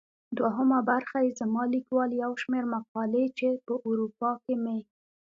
دوهمه برخه يې زما ليکوال يو شمېر مقالې چي په اروپا کې مي.